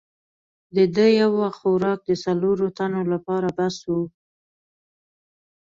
د ده یو وخت خوراک د څلورو تنو لپاره بس وو.